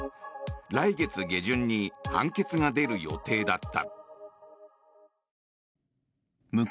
来月下旬に判決が出る予定だった。